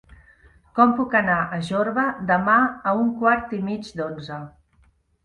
Com puc anar a Jorba demà a un quart i mig d'onze?